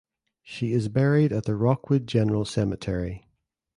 She is buried at the Rookwood General Cemetery.